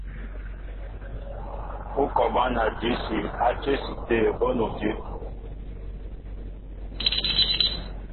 Ú kɔ bǎn a dʉsi á cə́si tə̂ bóni udʉ́.